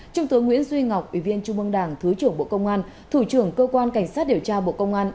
trung tướng nguyễn duy ngọc ủy viên trung mương đảng thứ trưởng bộ công an thủ trưởng cơ quan cảnh sát điều tra bộ công an